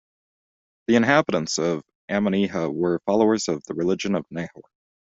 The inhabitants of Ammonihah were followers of the religion of Nehor.